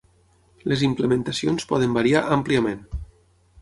Les implementacions poden variar àmpliament.